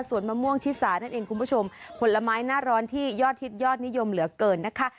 ส่วนมะม่วงชิสานั่นเองคุณผู้ชมผลไม้หน้าร้อนที่ยอดฮิตยอดนิยมเหลือเกินนะคะ